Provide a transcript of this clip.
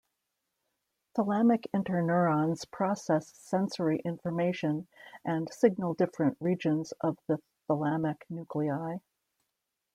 Thalamic interneurons process sensory information and signal different regions of the thalamic nuclei.